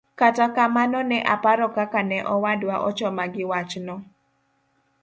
Kata kamano ne aparo kaka ne owadwa ochoma gi wachno.